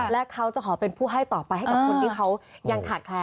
และเขาจะขอเป็นผู้ให้ต่อไปให้กับคนที่เขายังขาดแคลน